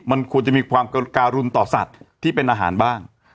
มันควรจะมีความการุนต่อสัตว์ที่เป็นอาหารบ้าง